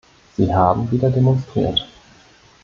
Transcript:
Sie haben wieder demonstriert.